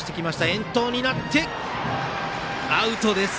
遠投になって、アウト！